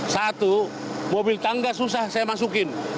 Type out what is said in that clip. satu mobil tangga susah saya masukin